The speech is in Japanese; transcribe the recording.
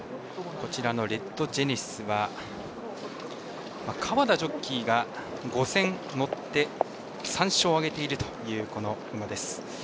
レッドジェネシスは川田ジョッキーが５戦乗って３勝を挙げているという馬です。